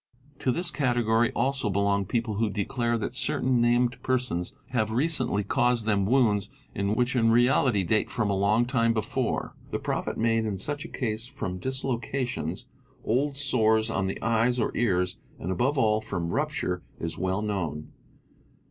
'l'o this category also belong people who declare that certain named persons have recently caused them wounds which in reality date from a long time before: the profit made in such a case from dislocations, old sores on the eyes or ears, and above all from rupture, is well known.